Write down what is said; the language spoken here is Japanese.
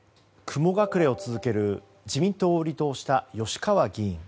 雲隠れを続ける自民党を離党した吉川議員。